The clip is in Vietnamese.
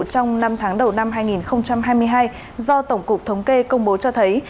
trong năm tháng đầu năm hai nghìn hai mươi hai do tổng cục thống kê công bố cho thấy